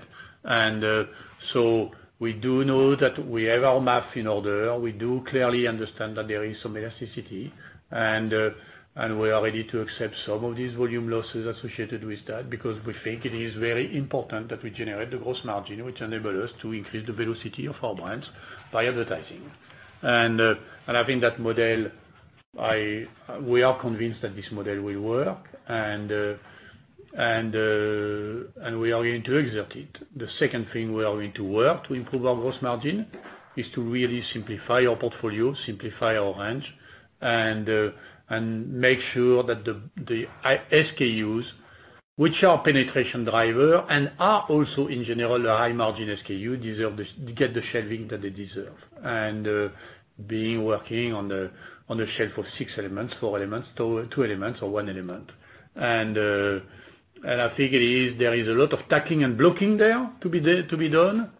We do know that we have our math in order. We do clearly understand that there is some elasticity, and we are ready to accept some of these volume losses associated with that because we think it is very important that we generate the gross margin, which enables us to increase the velocity of our brands by advertising. Having that model, we are convinced that this model will work, and we are going to exert it. The second thing we are going to work to improve our gross margin is to really simplify our portfolio, simplify our range, and make sure that the SKUs, which are penetration drivers and are also, in general, a high-margin SKU, get the shelving that they deserve. Being working on a shelf of six elements, four elements, two elements, or one element. I think there is a lot of tacking and blocking there to be done,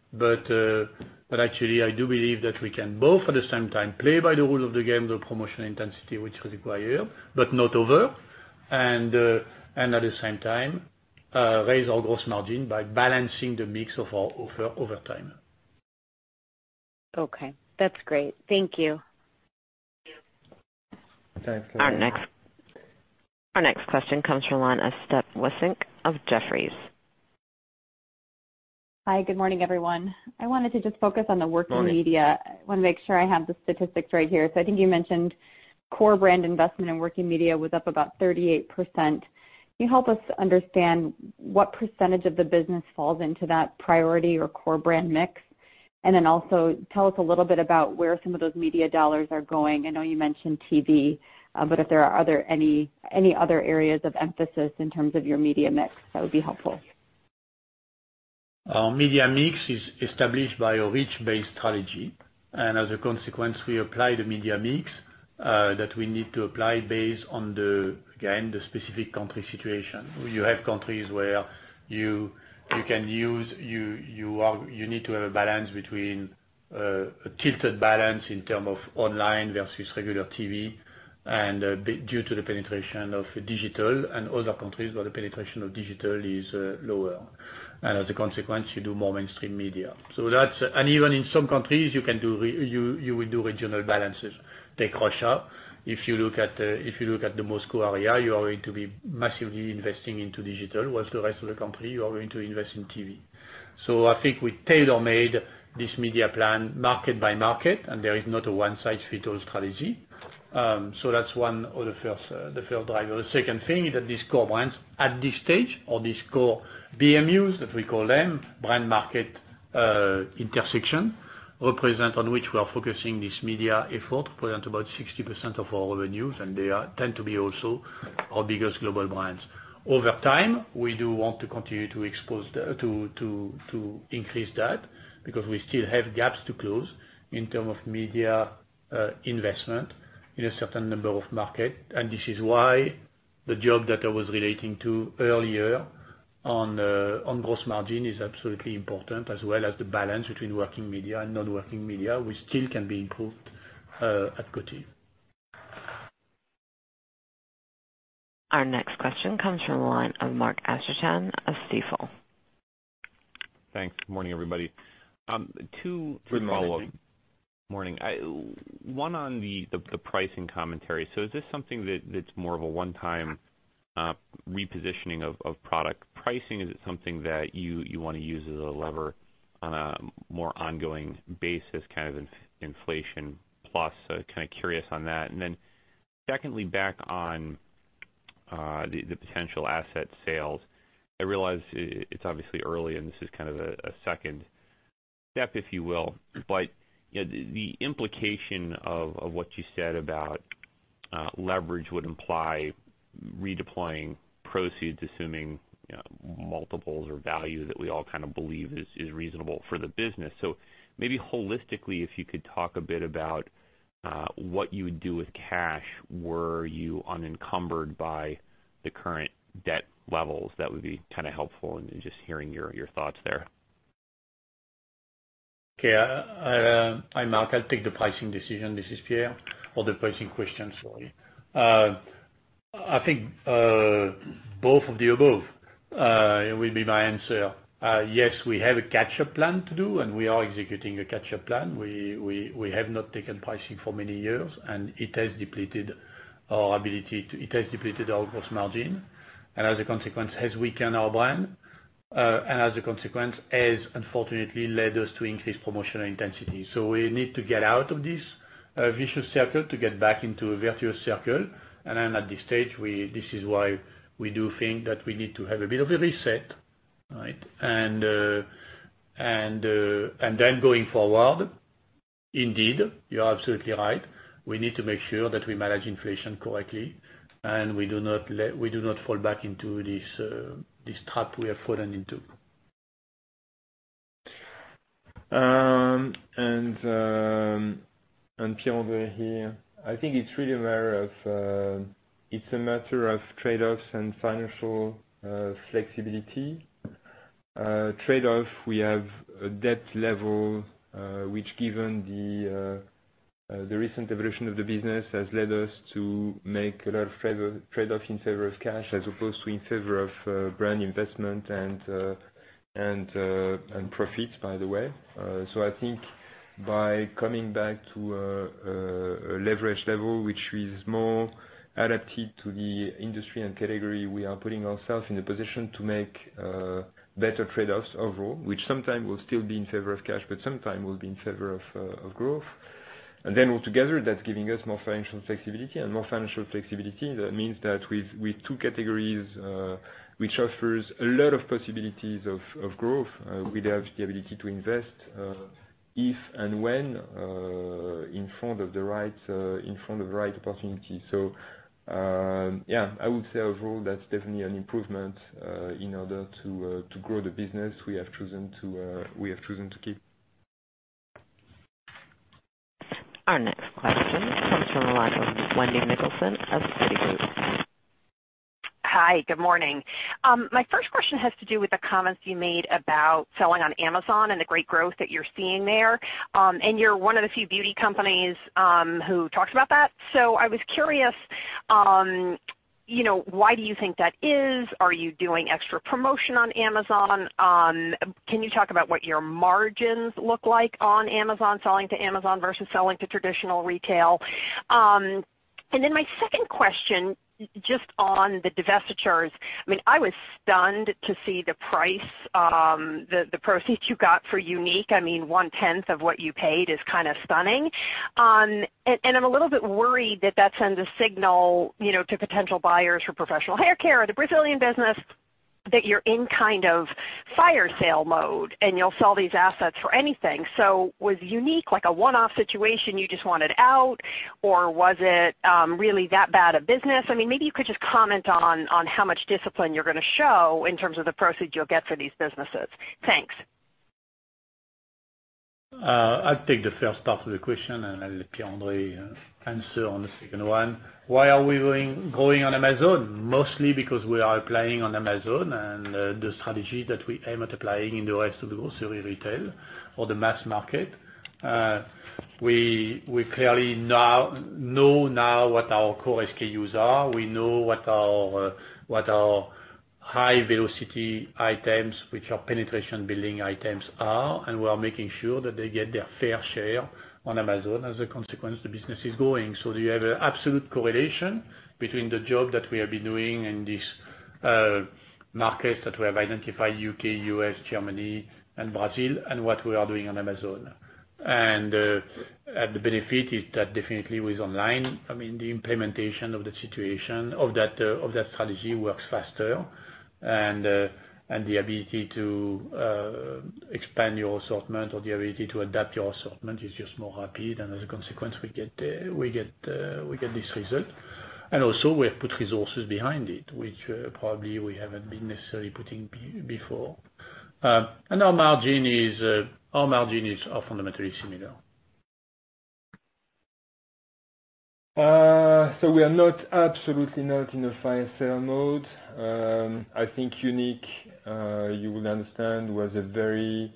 but actually, I do believe that we can both, at the same time, play by the rules of the game, the promotional intensity which is required, but not over, and at the same time, raise our gross margin by balancing the mix of our offer over time. Okay. That's great. Thank you. Thanks. Our next question comes from Steph Wissink of Jefferies. Hi. Good morning, everyone. I wanted to just focus on the working media. I want to make sure I have the statistics right here. I think you mentioned core brand investment in working media was up about 38%. Can you help us understand what percentage of the business falls into that priority or core brand mix? Also, tell us a little bit about where some of those media dollars are going. I know you mentioned TV, but if there are any other areas of emphasis in terms of your media mix, that would be helpful. Media mix is established by a reach-based strategy. As a consequence, we apply the media mix that we need to apply based on, again, the specific country situation. You have countries where you need to have a balance between a tilted balance in terms of online versus regular TV, and due to the penetration of digital, and other countries where the penetration of digital is lower. As a consequence, you do more mainstream media. Even in some countries, you will do regional balances. Take Russia. If you look at the Moscow area, you are going to be massively investing into digital, while the rest of the country, you are going to invest in TV. I think we tailor-made this media plan market by market, and there is not a one-size-fits-all strategy. That is one of the first drivers. The second thing is that these core brands at this stage, or these core BMUs, as we call them, brand-market intersection, represent on which we are focusing this media effort, represent about 60% of our revenues, and they tend to be also our biggest global brands. Over time, we do want to continue to increase that because we still have gaps to close in terms of media investment in a certain number of markets. This is why the job that I was relating to earlier on gross margin is absolutely important, as well as the balance between working media and non-working media, which still can be improved at Coty. Our next question comes from Mark Astrachan of Stifel. Thanks. Good morning, everybody. Two follow-ups. Morning. One on the pricing commentary. Is this something that's more of a one-time repositioning of product pricing? Is it something that you want to use as a lever on a more ongoing basis, kind of inflation? Plus, kind of curious on that. Secondly, back on the potential asset sales, I realize it's obviously early, and this is kind of a second step, if you will, but the implication of what you said about leverage would imply redeploying proceeds, assuming multiples or value that we all kind of believe is reasonable for the business. Maybe holistically, if you could talk a bit about what you would do with cash, were you unencumbered by the current debt levels, that would be kind of helpful, and just hearing your thoughts there. Okay. I'm Mark. I'll take the pricing decision. This is Pierre, or the pricing questions for you. I think both of the above will be my answer. Yes, we have a catch-up plan to do, and we are executing a catch-up plan. We have not taken pricing for many years, and it has depleted our ability to—it has depleted our gross margin. As a consequence, it has weakened our brand. As a consequence, it has, unfortunately, led us to increase promotional intensity. We need to get out of this vicious circle to get back into a virtuous circle. At this stage, this is why we do think that we need to have a bit of a reset, right? Going forward, indeed, you're absolutely right. We need to make sure that we manage inflation correctly, and we do not fall back into this trap we have fallen into. Pierre-André here. I think it's really a matter of—it is a matter of trade-offs and financial flexibility. Trade-off, we have a debt level which, given the recent evolution of the business, has led us to make a lot of trade-offs in favor of cash as opposed to in favor of brand investment and profits, by the way. I think by coming back to a leverage level which is more adapted to the industry and category, we are putting ourselves in a position to make better trade-offs overall, which sometimes will still be in favor of cash, but sometimes will be in favor of growth. Altogether, that is giving us more financial flexibility. More financial flexibility means that with two categories which offer a lot of possibilities of growth, we have the ability to invest if and when in front of the right opportunity. Yeah, I would say overall, that's definitely an improvement in order to grow the business we have chosen to keep. Our next question comes from. Hi. Good morning. My first question has to do with the comments you made about selling on Amazon and the great growth that you're seeing there. You're one of the few beauty companies who talks about that. I was curious, why do you think that is? Are you doing extra promotion on Amazon? Can you talk about what your margins look like on Amazon, selling to Amazon versus selling to traditional retail? My second question, just on the divestitures, I mean, I was stunned to see the price, the proceeds you got for Unique. I mean, one-tenth of what you paid is kind of stunning. I'm a little bit worried that that sends a signal to potential buyers for professional haircare or the Brazilian business that you're in kind of fire sale mode, and you'll sell these assets for anything. Was Unique a one-off situation you just wanted out, or was it really that bad a business? I mean, maybe you could just comment on how much discipline you're going to show in terms of the proceeds you'll get for these businesses. Thanks. I'll take the first part of the question, and I'll let Pierre-André answer on the second one. Why are we growing on Amazon? Mostly because we are applying on Amazon the strategy that we aim at applying in the rest of the grocery retail or the mass market. We clearly know now what our core SKUs are. We know what our high-velocity items, which are penetration-building items, are, and we are making sure that they get their fair share on Amazon. As a consequence, the business is growing. You have an absolute correlation between the job that we have been doing in these markets that we have identified: U.K., U.S., Germany, and Brazil, and what we are doing on Amazon. The benefit is that definitely with online, I mean, the implementation of the situation of that strategy works faster, and the ability to expand your assortment or the ability to adapt your assortment is just more rapid. As a consequence, we get this result. Also, we have put resources behind it, which probably we have not been necessarily putting before. Our margin is fundamentally similar. We are absolutely not in a fire sale mode. I think Unique, you would understand, was a very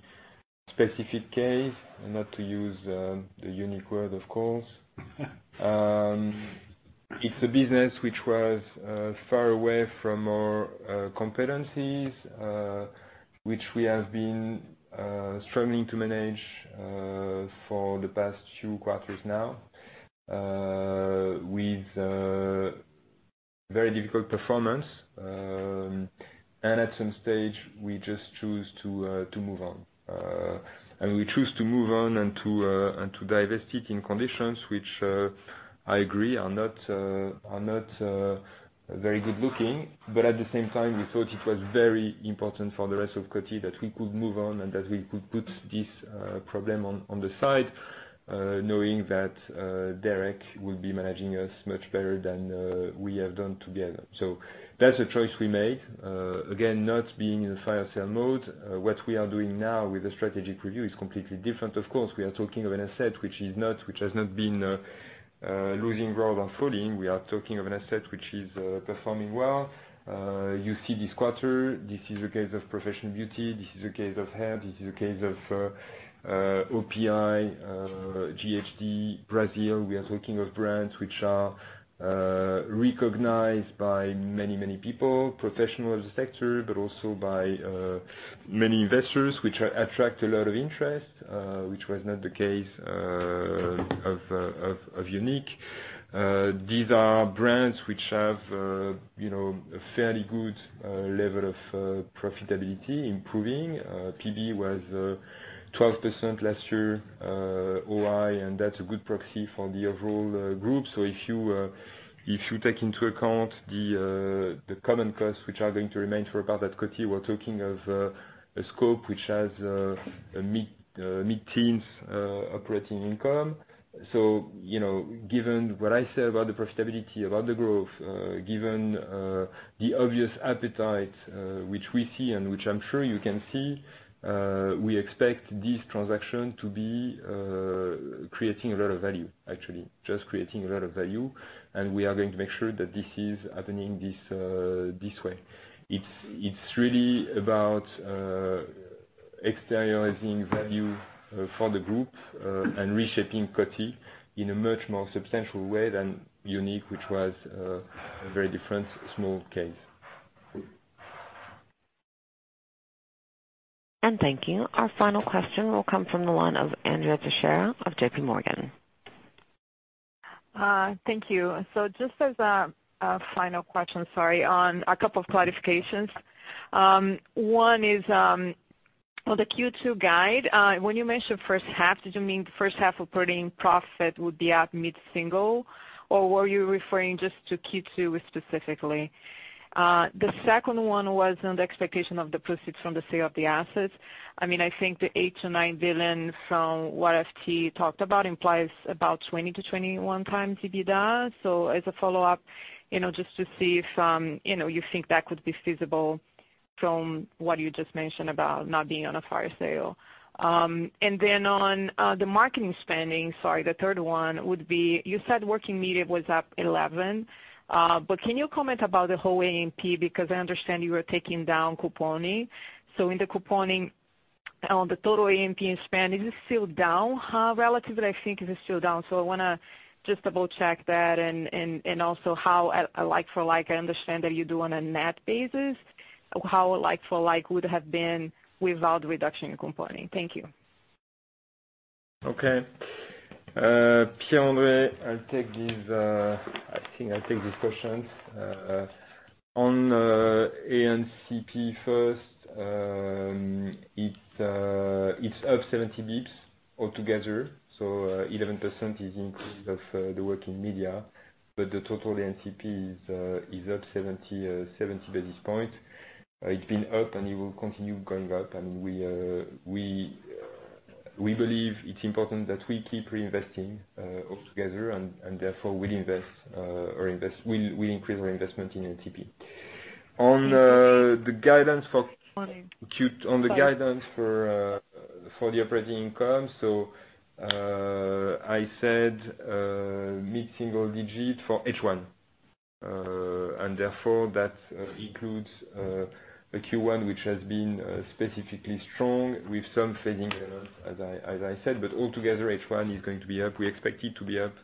specific case, not to use the Unique word, of course. It is a business which was far away from our competencies, which we have been struggling to manage for the past few quarters now, with very difficult performance. At some stage, we just chose to move on. We chose to move on and to divest it in conditions which I agree are not very good-looking. At the same time, we thought it was very important for the rest of Coty that we could move on and that we could put this problem on the side, knowing that Derek would be managing us much better than we have done together. That is a choice we made. Again, not being in a fire sale mode. What we are doing now with the strategic review is completely different. Of course, we are talking of an asset which has not been losing growth or falling. We are talking of an asset which is performing well. You see this quarter. This is the case of professional beauty. This is the case of hair. This is the case of OPI, GHD, Brazil. We are talking of brands which are recognized by many, many people, professionals of the sector, but also by many investors which attract a lot of interest, which was not the case of Unique. These are brands which have a fairly good level of profitability, improving. PB was 12% last year, OI, and that's a good proxy for the overall group. If you take into account the common costs which are going to remain for a part at Coty, we're talking of a scope which has mid-teens operating income. Given what I say about the profitability, about the growth, given the obvious appetite which we see and which I'm sure you can see, we expect these transactions to be creating a lot of value, actually, just creating a lot of value. We are going to make sure that this is happening this way. It's really about exteriorizing value for the group and reshaping Coty in a much more substantial way than Unique, which was a very different small case. Thank you. Our final question will come from the line of Andrea Teixeira of JPMorgan. Thank you. Just as a final question, sorry, on a couple of clarifications. One is on the Q2 guide. When you mentioned first half, did you mean the first half operating profit would be at mid-single, or were you referring just to Q2 specifically? The second one was on the expectation of the proceeds from the sale of the assets. I mean, I think the $8 billion-$9 billion from what FT talked about implies about 20-21 times EBITDA. As a follow-up, just to see if you think that could be feasible from what you just mentioned about not being on a fire sale. On the marketing spending, sorry, the third one would be you said working media was up 11%, but can you comment about the whole A&CP? Because I understand you were taking down couponing. In the couponing, on the total A&CP spend, is it still down? Relatively, I think it is still down. I want to just double-check that. Also, how like-for-like, I understand that you do on a net basis. How like-for-like would have been without reduction in couponing? Thank you. Okay. Pierre-André, I'll take these—I think I'll take these questions. On A&CP first, it's up 70 basis points altogether. So 11% is the increase of the working media, but the total A&CP is up 70 basis points. It's been up, and it will continue going up. I mean, we believe it's important that we keep reinvesting altogether, and therefore, we'll invest or we'll increase our investment in A&CP. On the guidance for—on the guidance for the operating income, I said mid-single digit for H1. That includes a Q1 which has been specifically strong with some fading elements, as I said. Altogether, H1 is going to be up. We expect it to be up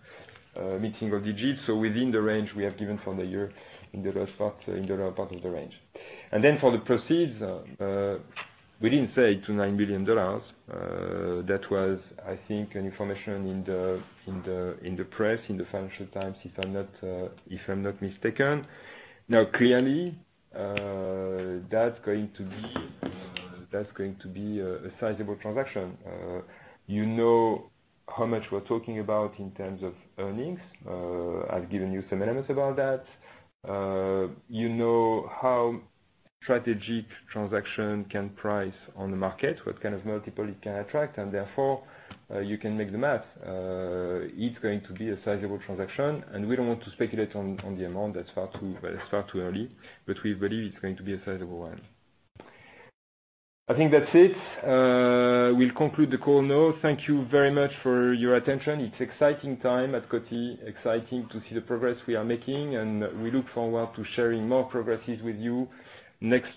mid-single digit, within the range we have given for the year in the lower part of the range. For the proceeds, we didn't say to $9 billion. That was, I think, an information in the press, in the Financial Times, if I'm not mistaken. Now, clearly, that's going to be a sizable transaction. You know how much we're talking about in terms of earnings. I've given you some elements about that. You know how strategic transaction can price on the market, what kind of multiple it can attract, and therefore, you can make the math. It's going to be a sizable transaction, and we don't want to speculate on the amount. That's far too early, but we believe it's going to be a sizable one. I think that's it. We'll conclude the call now. Thank you very much for your attention. It's an exciting time at Coty. Exciting to see the progress we are making, and we look forward to sharing more progresses with you next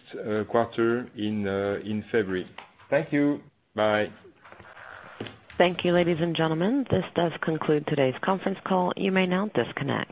quarter in February. Thank you. Bye. Thank you, ladies and gentlemen. This does conclude today's conference call. You may now disconnect.